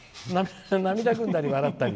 涙ぐんだり笑ったり。